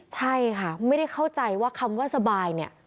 ใช่ค่ะไม่ได้เข้าใจว่าคำว่าสบายเนี่ย